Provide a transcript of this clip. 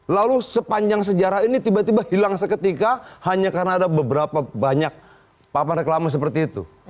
lalu sepanjang sejarah ini tiba tiba hilang seketika hanya karena ada beberapa banyak papan reklama seperti itu